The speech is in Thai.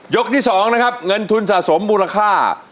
ที่๒นะครับเงินทุนสะสมมูลค่า